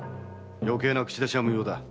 余計な口出しは無用だ。